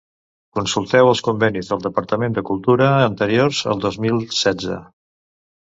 Consulteu els convenis del Departament de Cultura anteriors al dos mil setze.